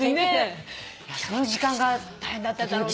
その時間が大変だっただろうなと。